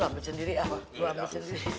lu hampir sendiri apa lu hampir sendiri